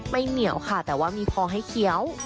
ไม่เหนียวแต่ว่ามีคอให้เขี้ยว